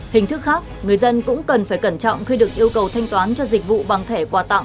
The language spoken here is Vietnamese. hình thức khác người dân cũng không thể tưởng tượng được